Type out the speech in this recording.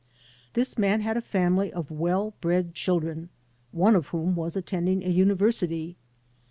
This man had a family of well bred children, one of whom was attending a university.